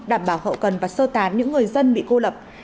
đảm bảo hậu cần và sơ tán những người dân bị cô lập